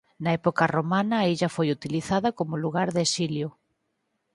Na época romana a illa foi utilizada como lugar de exilio.